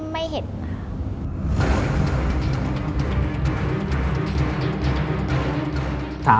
ไม่เห็นค่ะ